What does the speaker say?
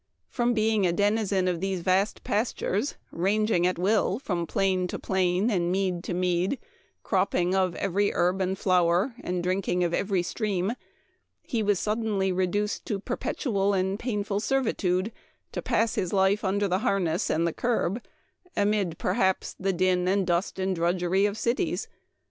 I being a denizen of these vast pastures, ranging at will from plain to plain and mead to mead, :ng of ever} herb and flower, and di ing of every stream, he was su perpetual and painful servitude 222 Memoir of Washington Irving. under the harness and the curb, amid, perhaps, the din and dust and drudgery of cities.